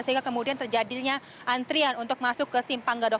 sehingga kemudian terjadinya antrian untuk masuk ke simpang gadok